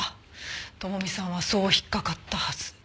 朋美さんはそう引っかかったはず。